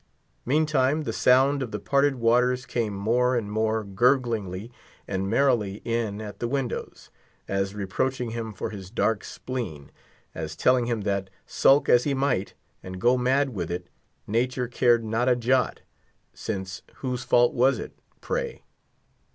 Meantime the sound of the parted waters came more and more gurglingly and merrily in at the windows; as reproaching him for his dark spleen; as telling him that, sulk as he might, and go mad with it, nature cared not a jot; since, whose fault was it, pray?